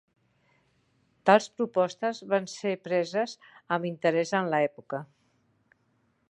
Tals propostes van ser preses amb interès en l'època.